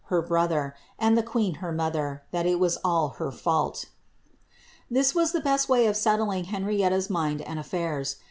her brother, and the queen her mother, that it was 1L» as the best way of settling Henrietta'^ mind and affiiirs.